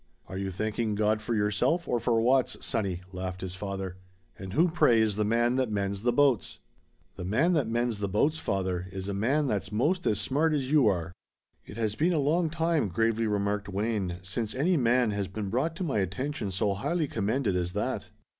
"Are you thanking God for yourself or for Watts, sonny?" laughed his father. "And who, pray, is the man that mends the boats?" "The man that mends the boats, father, is a man that's 'most as smart as you are." "It has been a long time," gravely remarked Wayne, "since any man has been brought to my attention so highly commended as that."